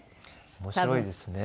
面白いですね。